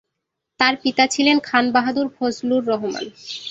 তার পিতা ছিলেন খান বাহাদুর ফজলুর রহমান।